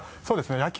そうですね